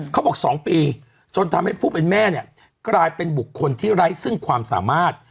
เขาบอก๒ปีจนทำให้ผู้เป็นแม่เนี่ยกลายเป็นบุคคลที่ไร้ซึ่งความสามารถ